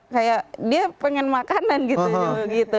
kayak dia pengen makanan gitu